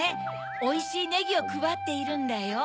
おいしいネギをくばっているんだよ。